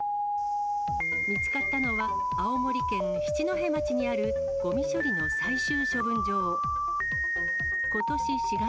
見つかったのは青森県七戸町にあるゴミ処理の最終処分場。